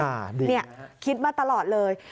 นี่คิดมาตลอดเลย